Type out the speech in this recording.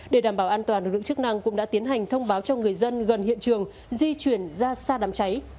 để đảm bảo an toàn lực lượng chức năng cũng đã tiến hành thông báo cho người dân gần hiện trường di chuyển ra xa đám cháy